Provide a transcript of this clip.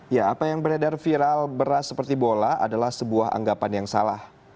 ya apa yang beredar viral beras seperti bola adalah sebuah anggapan yang salah